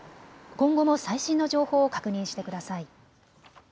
今後も最新の情報を確認してください。